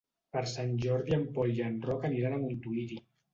Per Sant Jordi en Pol i en Roc aniran a Montuïri.